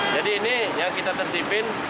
jadi ini yang kita tertipin